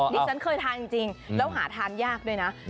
ดิฉันเคยทานจริงแล้วหาทานยากด้วยนะ